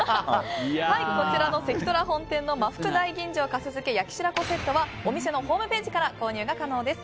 こちらの関とら本店の真ふく大吟醸粕漬け・焼き白子セットはお店のホームページから購入が可能です。